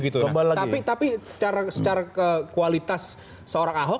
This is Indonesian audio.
tapi secara kualitas seorang ahok